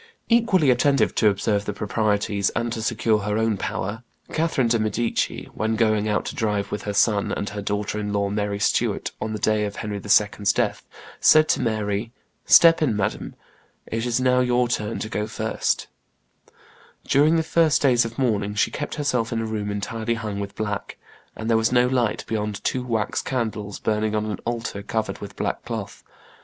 Equally attentive to observe the proprieties and to secure her own power, Catherine de' Medici, when going out to drive with her son and her daughter in law Mary Stuart, on the very day of Henry II.'s death, said to Mary, "Step in, madame; it is now your turn to go first." [Illustration: MARY STUART 270] During the first days of mourning she kept herself in a room entirely hung with black; and there was no light beyond two wax candles burning on an altar covered with black cloth.